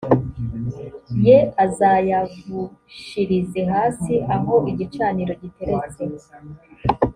ye azayavushirize hasi aho igicaniro giteretse